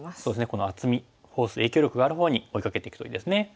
この厚みフォース影響力があるほうに追いかけていくといいですね。